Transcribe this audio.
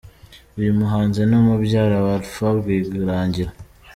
Uyu muhanzi ni mubyara wa Alpha Rwirangira.